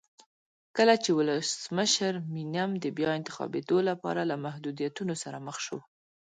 کله چې ولسمشر مینم د بیا انتخابېدو لپاره له محدودیتونو سره مخ شو.